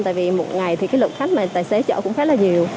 tại vì một ngày thì cái lượng khách mà tài xế chở cũng khá là nhiều